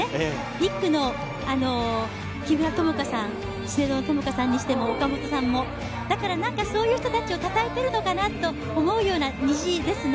１区の資生堂の木村友香さんにしても岡本さんもだから、そういう人たちをたたえているのかなと思うような虹ですね。